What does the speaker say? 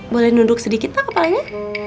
boleh duduk sedikit pak kepalanya